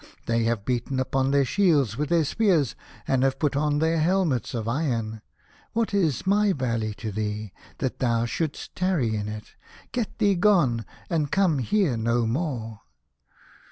They have beaten upon their shields with their spears, and have put on their helmets of iron. What is my valley to thee, that thou should'st tarry in it ? Get thee gone, and come here no more."